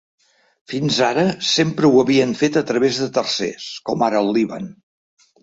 Fins ara sempre ho havien fet a través de tercers, com ara al Líban.